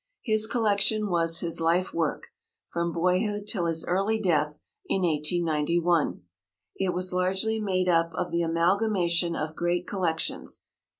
His collection was his life work from boyhood till his early death in 1891. It was largely made up of the amalgamation of great collections.